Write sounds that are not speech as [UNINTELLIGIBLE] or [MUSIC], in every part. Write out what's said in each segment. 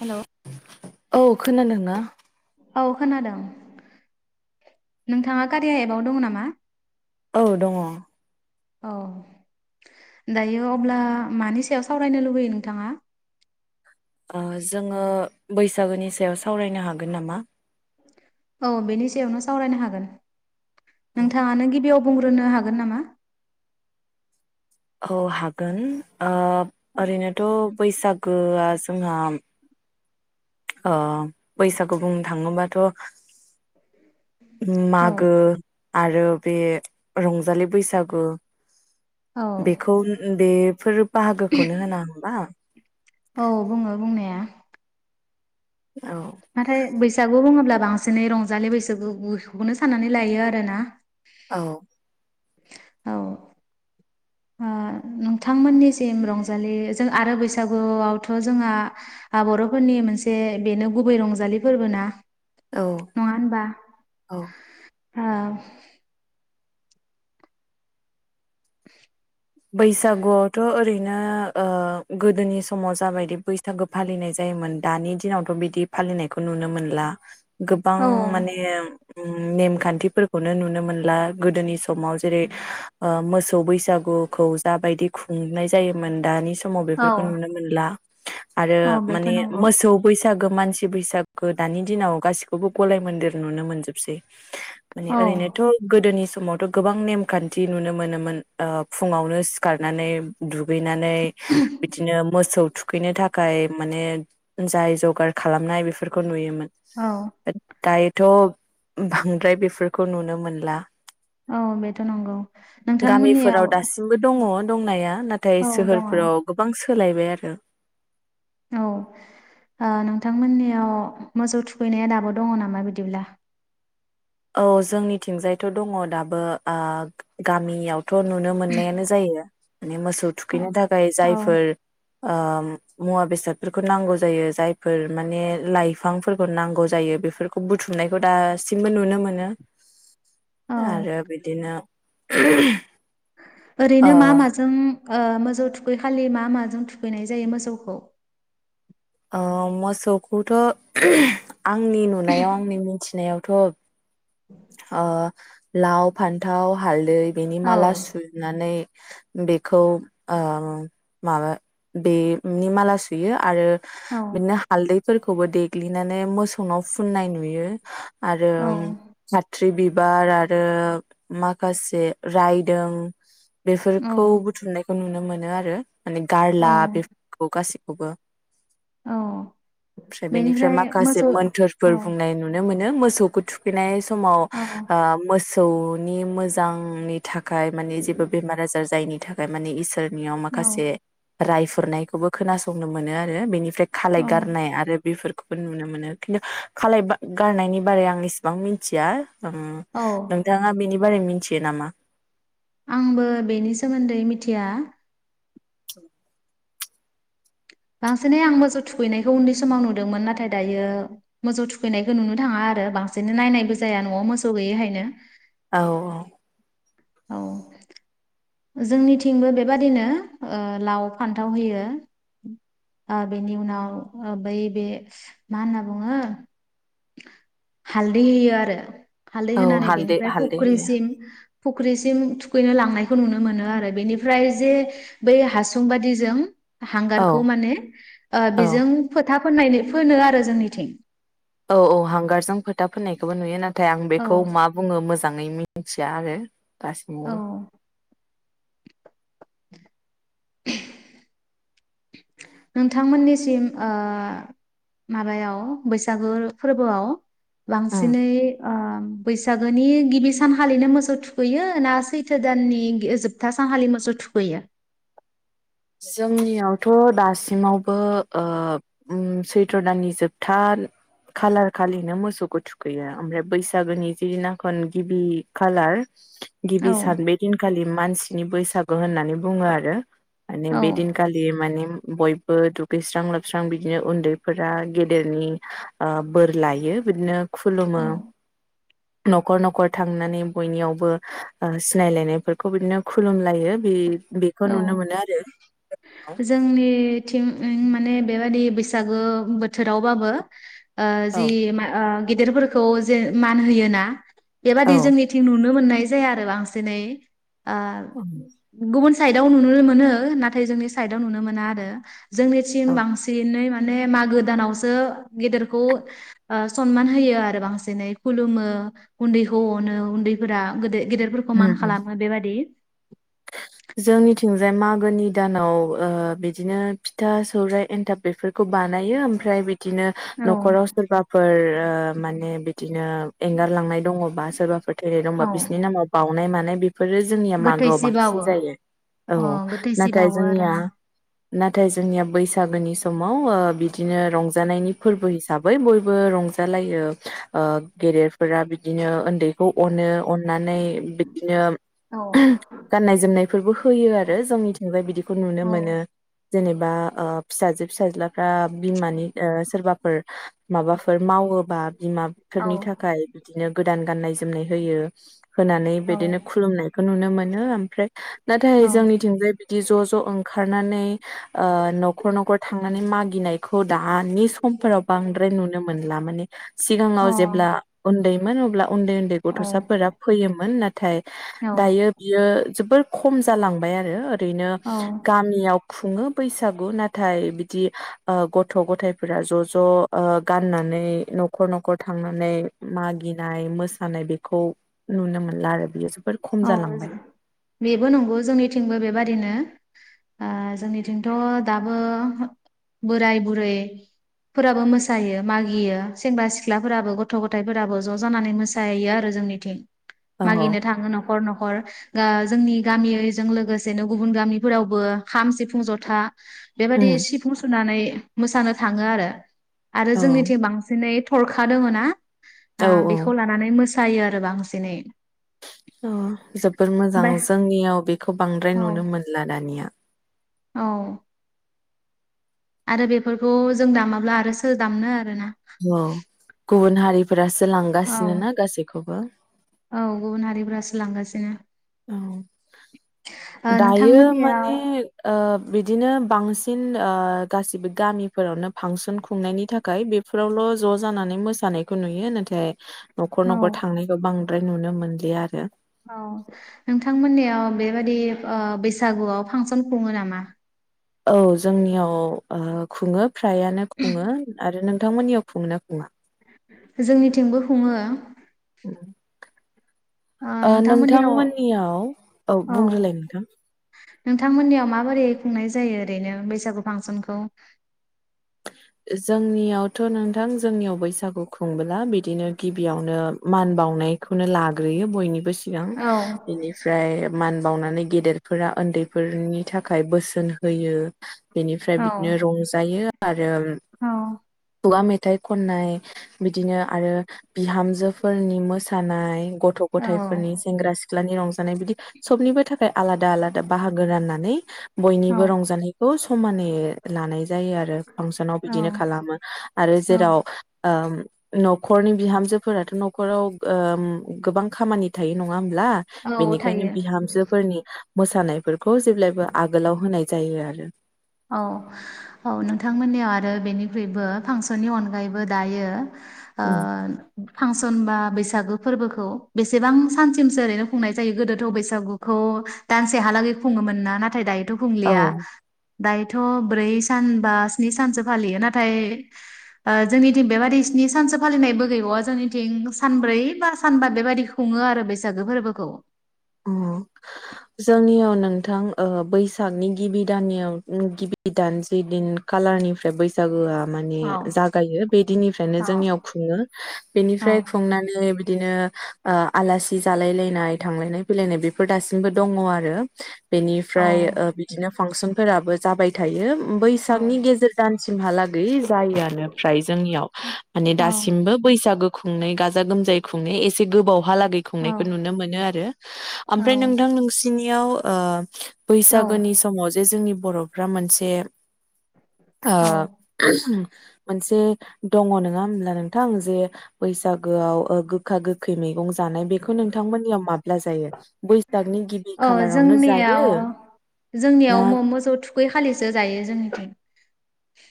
Hello औ खोनादोंना? औ खोनादों नोंथाङा खारिया एबाव दं नामा? औ दङ। औ दायो अब्ला मानि सायाव सावरायनो लुबैयो नोंथाङा? ओ जोङो बैसागोनि सायाव सावरायनो हागोन नामा। औ बेनि सायावनो सावरायनो हागोन। नोंथाङानो गिबियाव बुंग्रोनो हागोन नामा? औ हागोन ओ ओरैनोथ' बैसागोआ जोंहा। ओ बैसागु बुंनो थाङोबाथ' ओम औ मागो आरो बे रंजालि बैसागु। औ बेखौ बे फोर बाहागोखौनो होना होमबा। औ बुङो बुंनाया औ नाथाय बैसागु बुङोब्ला बांसिनै रंजालि बैसागुखौनो साननानै लायो आरो ना। औ औ। ओ‌ नोंथांमोननिसिम रंजालि जों आरो बैसागुआवथ' जोंहा आ बर'फोरनि मोनसे बेनो गुबै रंजालि फोरबो ना। औ नङा होनबा? औ औ। [UNINTELLIGIBLE] नो ओ गोदोनि समाव जाबायदि बैसागो फालिनाय जायोमोन दानि दिनावथ' बिदि फालिनायखौ नुनो मोनला। गोबां ओ माने उम नेमखान्थिफोरखौनो नुनो मोनला गोदोनि समाव जेरै- ओ मोसौ बैसागु खौ जाबायदि खुंनाय जायोमोन। दानि समाव औ बेफोरखौ नुनो मोनला। आरो औ बेथ' माने नंगौ मोसौ बैसा सागो मानसि बैसागो दानि दिनाव गासिबखौबो गलाय मोन्देर नुनो मोनजोबसै। माने औ ओरैनोथ' गोदोनि सम मावथ' गोबां नेमखान्थि नुनो मोनोमोन। ओ फुङावनो सिखारनानै दु गैनानै बिदिनो मोसौ थुखैनो थाखाय माने जाय जगार खालामनाय बेफोरखौ नुयोमोन औ दायोथ बांद्राय बेफोरखौ नुनो मोनला। औ बेथ नंगौ गामिफोराव नोंथांमोननियाव दासिमबो दङ दंनाया नाथाय औ दङ औ सोहोरफोराव गोबां सो सोलायबाय आरो औ ओ नोंथांमोननियाव मोसौ थुखैनाया दाबो दङ नामा बिदिब्ला? औ जोंनिथिंजायथ दङ दाबो ओ गामियाव थ नुनो मोननायानो जायो। माने मोसौ औ थुखैनो थाखाय औ जायफोर ओ मुवा बेसादफोरखौ नांगौ जायो जायफोर माने लाइफांफोरखौ नांगौ जायो बेफोरखौ बुथुमनायखौ दासिमबो नुनो मोन औ मोनो। आरो बिदिनो [UNINTELLIGIBLE] ओ ओरैनो मा माजों ओ मोजौ थुखै खालि मा माजों थुखैनाय जायो मोसौखौ? अ मोसौखौथ आंनि नुनायाव आंनि मिथिनायाव थब ओ लाव फान्थाव हालदै। बेनि औ माला सुनानै बेखौ ओ माबा बेनि माला सुयो आरो औ बिदिनो हालदैफोरखौबो देग्लिनानै मोस सौनायाव फुननाय नुयो। आरो औ थ्रि बिबार आरो माखासे रायदों औ बेफोरखौ बुथुमनायखौ नुनो मोन नो आरो माने औ गारला बेफोरखौ गासिब अबा औ फ्राय बेनिफ्राय माखासे मोन्थोरफोर औ बुंनाय नुनो मोन नो मोसौखौ थुखैनायस समाव औ ओ मोस औनि मोजांनि थाख खाय माने जेबो बेमार आजार जायनि थाखाय माने इसोर नियाव औ माखासे रायफोरनायखौबो खोनासंनो मोनो आरो बेनिफ्राय औ खालायगारनाय आरो बेफोर खौबो नुनो मोनो खिन्थु खालाय बा गारनायनि बारै आं इसेबां मि नथिया ओम औ नोंथाङा बेनि बारै मिनथियो नामा? आंबो बेनि सोमोन्दै मिथिया बांसिनै आं मोसौ थुखैनायखौ उन्दै समाव नुदोंमोन नाथाय दायो मोजौ थुखैनायखौ नुनो थाङा आरो बांसिन नायनायबो जाया न'आव मोसौ गैयैखायनो औ औ औ जोंनिथिंबो बेबादिनो ओ लाव फान्थाव होयो। ओ बेनि उनाव बै बे मा होनना बुङो हालदै होयो आरो। हालदै औ होनानै हालदै बेनिफ्राय हालदै होयो फुख्रिसिम फुख्रिसिम थुखैनो लांनायखौ नुनो मोनो आरो बेनिफ्राय जे बै हासुं बादिजों हांगार औ खौ माने ओ औ बेजों फोथा फोननायनि फोनो आरो जोंनिथिं। औ औ हांगारजों फोथा फोननायखौबो नुयो ना थाय आं औ बेखौ मा बुङो मोजाङै मि थिया आरो औ काशमर नोंथांमोननिसिम ओ माबायाव बैसागु फोरबोआव उम बांसिनै ओ बैसागोनि गिबि सानखालिनो मोसौ थुखैयो ना सैथो दाननि जोबथा सानखालि मोसौ थुखैयो? जोंनियावथ' दासिमावबो ओ ओम सैथ्र दाननि जोबथा खालार खालिनो मोसौखौ थुखैयो ओमफ्राय बैसागोनि जिनाखन गिबि खालार औ गिबि सान बे दिनखालि मान नि बैसागु होननानै बुङो आरो। माने औ बेदिनखालि माने बयबो दुगैस्रां लोबस्रां बिदिनो उन्दैफोरा गेदेरनि ओ बोर लायो बिदिनो औ खुलुमो नख'र नख'र थांनानै बयनियावबो सिनायलायनायफोरखौ बिदिनो खुलुमलायो बे बेखौ औ नुनो मोनो आरो जोंनिथिं ओम माने बेबादि बैसागो बोथोरावबाबो ओ औ जि मा ओ गेदिरफोरखौ जे मान होयोना बेबादि औ जोंनिथिं नुनो मोननाय जाया आरो बांसिनै ओ गुबुन साइदआव नुनो मोनो नाथाय जोंनि साइदआव नुनो मोना आरो जोंनिथिम बांसिनै मा ने मागो दानावसो गेदेरखौ सनमान होयो आरो बांसिनै खुलुमो उन्दैखौ अनो उन्दैफोरा गोदै गेदिरफोरखौ मान उम उम खालामो बेबादि। जोंनिथिंजाय मागोनि दानाव ओ बिदिनो फिथा सौराय एन्थाब बेफोरफोरखौ खौ बानायो ओमफ्राय बिदिनो औ न'खराव सोरबाफोर ओ माने बिदिनो एंगारलांनाय दङबा सोरबाफोर थैनाय दङबा औ बिसिरनि नामाव बावनाय मानाय बेफोरो जोंनिया मागोआव गोथैसि बां बांसिन बावो जायो अ औ गोथैसि नाथाय बावो आरो जोंनिया ना नाथाय जोंनिया बैसागोनि समाव बिदिनो रंजानायनि फोरबो हिसाबै बय बो रजालायो ओ गेदेरफोरा बिदिनो ओन उन्दैखौ अनो अननानै बिदिनो औ गाननाय जोमनायफोरबो होयो आरो जोंनिथिंजाय बिदिखौ नुनो औ मोनो। जेनेबा ओ फिसाजो फिसाज्ला ओ बिमानि ओ सोरबा फोर माबाफोर मावोबा औ बिमाफोरनि थाखाय बिदिनो गोदान गाननाय जोमनाय होयो। होनानै औ बिदिनो खुलुमनाय नुनो मोन नो ओमफ्राय अ नाथाय जोंनिथिंजाय बि ज'ज' ओंखारनानै ओ न'खर न'खर थांनानै मागिनायखौ दानि समफोराव बांद्राय नुनो मोनला माने सिगाङाव जेब्ला औ उन्दै मोन अब्ला उन्दै उन्दै गथसाफोरा फैयोमोन नाथाय औ दायो जोबोर खम जालांबाय आरो ओरैनो औ गामियाव खुङो बैसागु नाथाय बिदि गथ'गथाइफोरा ज'ज 'गाननानै न'खर न'खर थांनानै मागिनाय मोसानाय बेखौ नुनो मोनला आरो बियो जों बेफोर खम औ जालांबाय बेबो नंगौ जोंनिथिंबो बेबादिनो जोंनिथिंथ दाबो बोराय बुरैफोराबो मोसायो मागियो सेंग्रा सिख्लाफोराबो गथ' गथायफोराबो ज' जानानै मोसायो आरो जोंनिथिं औ मागिनो थाङो नखर नखर जोंनि गामिजों लोगोसेनो गुबुन गामिफोरावबो खाम, सिफुं, जथा बेबायदि उम सिफुं सुनानै मोसानो थाङो आरो आरो औ जोंनिथिं बांसिनै थरखा दोङो ना औ औ बेखौ लानानै मोसायो जायो आरो बांसिनै अ जोबोर मोजां ओमफ्राय जोंनियाव बेखौ बांद्राय औ नुनो मोनला दानिया औ आरो बेफोरखौ जों दामाब्ला आरो सोर दामनो आरोना औ गुबुन हारि जायफ्रा औ जोलांगासिनो ना गासैखौबो फोरासो लांगासिनो ओ दायो नोंथांमोननियाव माने ओ बिदिनो बांसिन ओ गासिबो गामिफोरावनो फांसन खुंनायनि थाखाय बेफोरावल ज'जानानै मोसानायखौ नुयो नाथाय न'खर औ न'खर थांनायखौ बांद्राय नुनो मोनलिया आरो औ नोंथांमोननियाव बेबादि बैसागुआव फांसन खुङो नामा औ जोंनियाव ओ खुङो फ्रायानो खुङो आरो नों नोंथांमोननियाव खुंङोना खुङा जोंनिथिंबो खुङो। नोंथांमोननियाव औ बुंग्रोलाय नोंथां नोंथांमोननियाव माबोरै खुंनाय जायो ओरैनो बैसागु फांसनखौ? जोंनियावथ नोंथां जोंनियाव बैसागु खुंबोला बिदिनो गिबियावनो मान बावनायखौनो लाग्रोयो बयनिबो सि सिगां औ बेनिफ्राय। मान बावनानै गेदेर। फोरा उन्दैफोरनि थाखाय। थाखाय बोसोन होयो। बेनिफ्राय औ बिदिनो रंजायो। आरो। औ खुगा मेथाइ खननाय बिदिनो आरो बिहामजोफोरनि मोसानाय‌। गथ औ गथायफोरनि सेंग्रा सिख्लानि रं बिदि सबनिबो थाखाय आलादा आलादा बाहागो राननानै। औ बयनिबो रंजानायखौ। समानै लानाय जायो आरो। फांसनाव बिदिनो खालामो आरो औ जेराव। नखरनि बिहामजोफोराथ नखराव ओ गोबां खामानि थायो नङा होम ला औ बेनिखायनो थायो बिहामजोफोरनि। मोसानायफोरखौ जेब्लायबो आगोलाव होनाय जायो आरो। औ औ नोंथांमोननियाव आरो बेनिख्रुइबो फांसननि अनगायैबो दायो। आ। उम फांसन बा बैसागु फोरबोखौ बेसेबां सानसिमसो ओरैनो खुंनाय जायो गोदोथ बैसागुखौ दानसे हालागै खुङोमोन ना नाथाय दायो। थ औ खुंलिया। दायोथ ब्रै सान बा स्नि सानसो फालियो नाथाय जोंनिथिं बेबादि स्नि सानसो फालिनायबो गैबावा जोंनिथिं सानब्रै बा सानबा बेबादि खुङो आरो बैसागो फोरबोखौ। अ जोंनियाव नोंथां ओ बैसागनि गिबि दानयाव गिबि दान जि दिन खालारनिफ्राय बैसागोआ। माने औ जागायो बे दिननिफ्रायनो औ जोंनियाव खुङो औ बेनिफ्राय खुंनानै। बिदिनो ओ आलासि जालाय लायनाय थांलायनाय। फैलायनाय बेफोर दासिमबो दङ आरो। बेनिफ्राय ओ बिदिनो फांसन। फोराबो जाबाय थायो। औ बैसागनि गेजेर दानसिमहालागै जायोआनो फ्राय जोंनियाव माने औ दासिमबो बैसागो। खुंनाय गाजा गोमजायै खुंनायै एसे गोबाव। हालागै खुंनायखौ नुनो मोनो आरो। औ ओमफ्राय औ नोंथां नोंसि नियाव ओ। औ बैसागोनि समाव जे जोंनि। बर'फ्रा मोनसे। औ ओ [UNINTELLIGIBLE] मोनसे दङ नङा होमब्ला नोंथां जे बैसागोआव ओ गोखा गोखै मैगं जानाय बेखौ नोंथांमोननि। अ खालारावनो जायो जोंनियाव ना जोंनियाव मोसौ थुखै खालिसो जायो जोंनिथिं।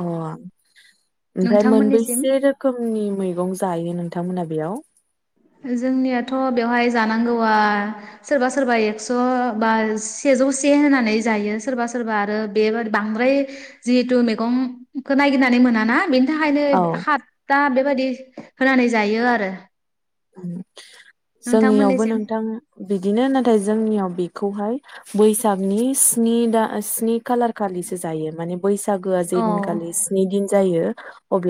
अ ओमफ्राय नोंथांमोननिसिम मोनबेसे रोखोमनि मै गं जायो नोंथांमोना बेयाव। जोंनियाथ बेवहाय जानांगौआ सोरबा सोरबा एक्स बा सेजौ से होननानै जायो सोरबा सोरबा आरो बेबो बांद्राय जिहेथु मैगंखौ नायागिरनानै मोन ना बेनि। थाखायनो औ हातथा बेबायदि होनानै जायो आरो [UNINTELLIGIBLE] जोंनियावबो नोंथांमोननिसिम नोंथां बिदिनो नाथाय जोंनियाव बि खौहाय बैसागनि स्नि दा स्नि खालार खालिसो जायो माने बैसागुआ जे औ दिनखालि स्नि दिन जायो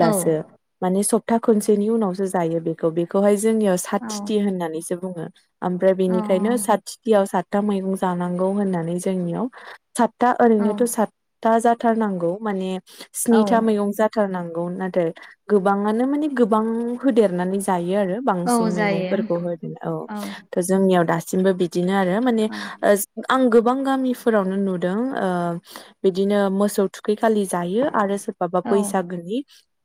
औ माने सब प्था खनसेनि उनावसो जायो बेखौ बेखौहाय जोंनियाव औ साथथिथि होननानैसो बुङो। [INAUDIBLE] ओमफ्राय औ बेनिखायनो साथथिथियाव सा साथथा मैगं जानांगौ होननानै जोंनियाव साथ था औ ओरैनोथ सातथा जा थारनांगौ माने औ स्निथा मैगं जाथार नां गौ नाथाय गोबाङानो माने गोबां होदेरनानै जायो आरो औ बांसिन जायो मैगंफोरखौ होगोन औ जोंनियाव दा सिमबो बिदि बिदिनो आरो माने औ ओ आं गो गोबां गामिफोरावनो नुदों ओ बिदिनो मोसौ थुखै खालि जायो आरो सोरबाबा औ बैसागोनि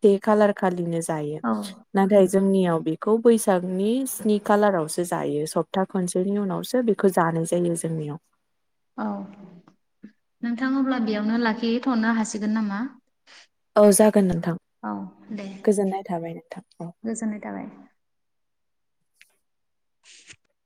बे खाालार खालिनो जायो औ नाथाय जोंनियाव बे खौ बैसागनि स्नि खालारावसो जायो सप्ता खनसेनि उनावसो बेखौ जानाय जायो जोंनियाव औ नोंथां अब्ला बेयावनो लाखिहैथनो हासिगोन नामा? औ जागोन नोंथां औ दे गोजोननाय थाबाय नोंथां औ गोजोननाय थाबाय।